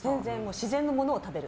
自然のものを食べる。